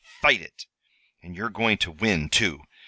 fight it! And you're going to win, too.